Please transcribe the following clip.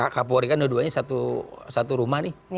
kapolri kan dua duanya satu rumah nih